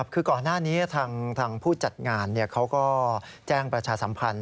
คือก่อนหน้านี้ทางผู้จัดงานเขาก็แจ้งประชาสัมพันธ์